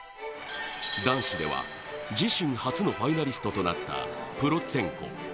男子では自身初のファイナリストとなったプロツェンコ。